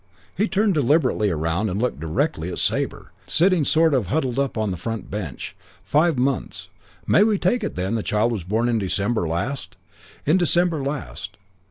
He turned deliberately round and looked directly at Sabre, sitting sort of huddled up on the front bench. 'Five months. We may take it, then, the child was born in December last. In December last.'